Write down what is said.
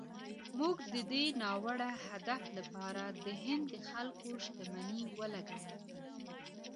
موږ د دې ناوړه هدف لپاره د هند د خلکو شتمني ولګوله.